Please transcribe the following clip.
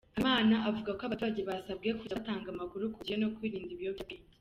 Habimana avuga ko abaturage basabwe kujya batanga amakuru ku gihe no kwirinda ibiyobyabwenge.